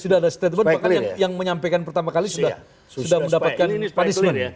sudah ada stand man resmi bahkan yang menyampaikan pertama kali sudah mendapatkan punishment